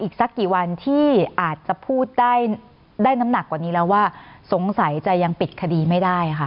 อีกสักกี่วันที่อาจจะพูดได้น้ำหนักกว่านี้แล้วว่าสงสัยจะยังปิดคดีไม่ได้ค่ะ